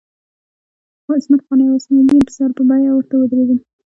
خو عصمت قانع او اسماعیل یون په سر په بیه ورته ودرېدل.